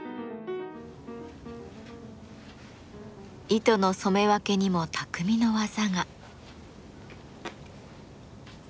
糸の染め分けにも匠の技が。